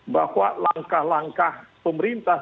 bahwa langkah langkah pemerintah